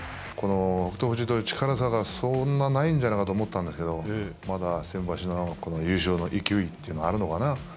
この力差がそんなないんじゃないかと思ったんですけどまだ先場所の優勝の勢いはあるのかな。